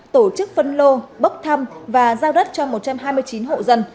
tổ chức phân lô bốc thăm và giao đất cho một trăm hai mươi chín hộ dân